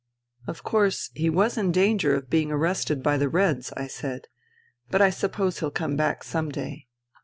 " Of course, he was in danger of being arrested by the Reds," I said. " But I suppose he'll come back some day."